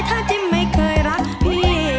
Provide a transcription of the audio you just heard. ถ้าจิ้มไม่เคยรักพี่